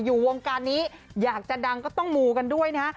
อยู่วงการนี้อยากจะดังก็ต้องมูกันด้วยนะฮะ